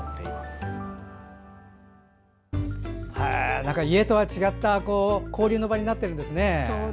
なんか、家とは違った交流の場になってるんですね。